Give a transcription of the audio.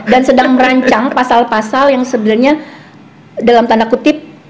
dan sedang merancang pasal pasal yang sebenarnya dalam tanda kutip